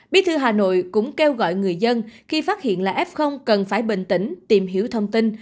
bí thư hà nội cũng kêu gọi người dân khi phát hiện là f cần phải bình tĩnh tìm hiểu thông tin